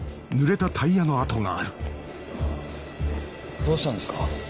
どうしたんですか？